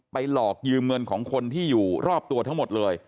หลอกยืมเงินของคนที่อยู่รอบตัวทั้งหมดเลย